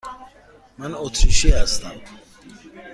من اتریشی هستم.